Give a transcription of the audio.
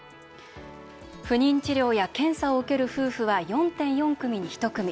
不妊治療や検査を受ける夫婦は４．４組に１組。